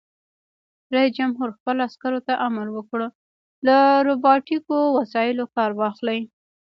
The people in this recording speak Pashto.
رئیس جمهور خپلو عسکرو ته امر وکړ؛ له روباټیکو وسایلو کار واخلئ!